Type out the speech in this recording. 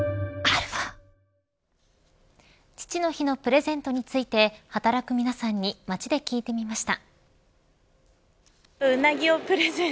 父の日のプレゼントについて働く皆さんに街で聞いてみました。